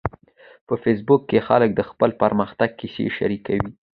په فېسبوک کې خلک د خپل پرمختګ کیسې شریکوي